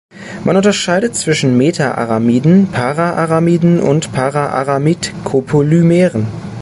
Man unterscheidet zwischen "meta"-Aramiden, "para"-Aramiden und "para"-Aramid-Copolymeren.